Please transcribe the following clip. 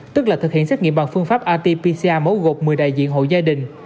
tức là thực hiện xét nghiệm bằng phương pháp rt pcr mẫu gột một mươi đại diện hộ gia đình